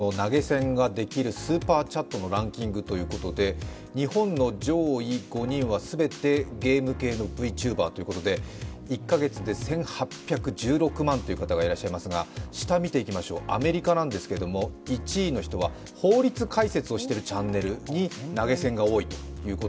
こちらの表がありますが、これは各国の投げ銭ができるスーパーチャットのランキングで、日本の上位５人は全てゲーム系のＶチューバーということで１カ月で１８１６万という方がいらっしゃいますがアメリカを見てみますと、１位の人は法律解説をしているチャンネルに投げ銭が多いと。